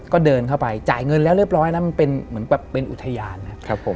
ก็เดินเข้าไปจ่ายเงินแล้วเรียบร้อยแล้วมันเป็นเหมือนแบบเป็นอุทยานนะครับผม